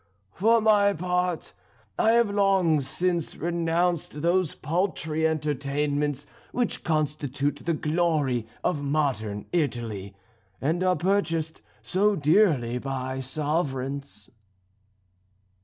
For my part I have long since renounced those paltry entertainments which constitute the glory of modern Italy, and are purchased so dearly by sovereigns."